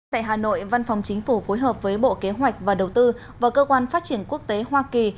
tại hà nội văn phòng chính phủ phối hợp với bộ kế hoạch và đầu tư và cơ quan phát triển quốc tế hoa kỳ